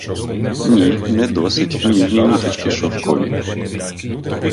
Ні, не досить ніжні ниточки шовкові!